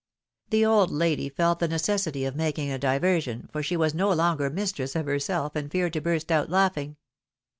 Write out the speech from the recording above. The old lady felt the necessity of making a diversion, for she was no longer mistress of herself and feared to burst out laughing.